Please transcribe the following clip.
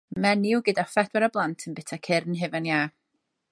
Menyw gyda phedwar o blant yn bwyta cyrn hufen iâ.